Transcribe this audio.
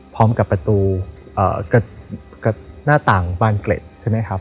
พร้อมกับประตูกับหน้าต่างบ้านเกล็ดใช่ไหมครับ